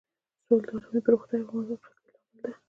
سوله د ارامۍ، پرمختګ او همغږۍ لامل ده.